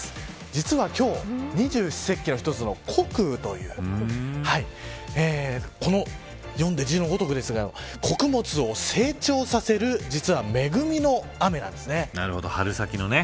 実は今日二十四節気の一つの穀雨という読んで字のごとくですが穀物を成長させる恵みの雨なんです。